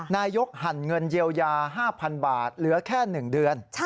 นายกหั่นเงินเยียวยา๕๐๐๐บาทเหลือแค่๑เดือน